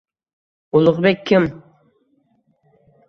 Ulugʼbek kim?